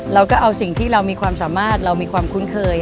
เราก็เอาสิ่งที่เรามีความสามารถเรามีความคุ้นเคย